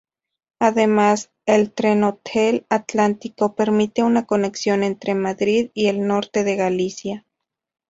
Además, el Trenhotel "Atlántico" permite una conexión entre Madrid y el norte de Galicia.